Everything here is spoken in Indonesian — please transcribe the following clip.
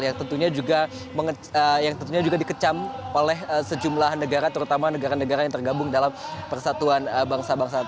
yang tentunya juga yang tentunya juga dikecam oleh sejumlah negara terutama negara negara yang tergabung dalam persatuan bangsa bangsa